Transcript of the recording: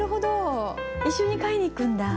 一緒に買いに行くんだ。